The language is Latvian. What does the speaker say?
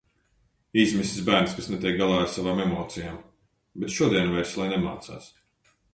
Izmisis bērns, kas netiek galā ar savām emocijām. Bet šodien vairs lai nemācās.